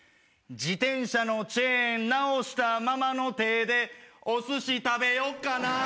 自転車のチェーン直したままの手でおすし食べよっかな。